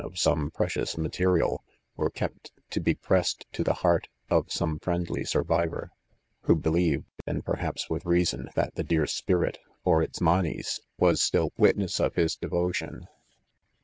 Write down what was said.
of. some precious material, were kept, td be pressed to the heart of some friendly survivor, who be lieved (and perhaps with reason), that the dear spirit, or its manes, was still witness of his devotion.